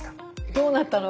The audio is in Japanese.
どうなったの？